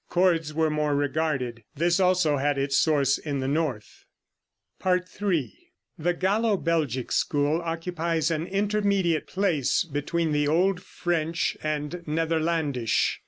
Chords were more regarded. This also had its source in the north. III. The Gallo Belgic school occupies an intermediate place between the old French and Netherlandish.